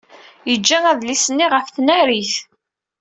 Yeǧǧa adlis-nni ɣef tnarit.